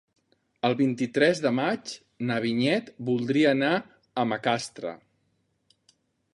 El vint-i-tres de maig na Vinyet voldria anar a Macastre.